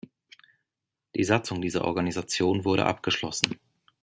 Die Satzung dieser Organisation wurde abgeschlossen.